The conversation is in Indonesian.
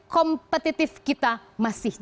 kompetitif kita masih